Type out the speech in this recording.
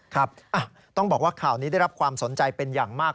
ครับต้องบอกว่าข่าวนี้ได้รับความสนใจเป็นอย่างมาก